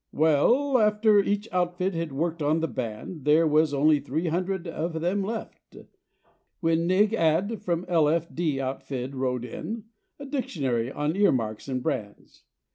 Well, after each outfit had worked on the band There was only three head of them left; When Nig Add from L F D outfit rode in, A dictionary on earmarks and brands.